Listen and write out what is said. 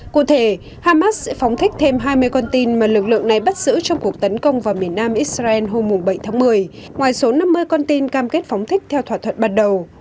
cụ thể hamas sẽ phóng thích thêm hai mươi con tin mà lực lượng này bắt giữ trong cuộc tấn công vào miền nam israel hôm bảy tháng một mươi ngoài số năm mươi con tin cam kết phóng thích theo thỏa thuận bắt đầu